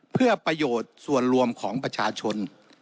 เพื่อประโยชน์ส่วนรวมของประชาชน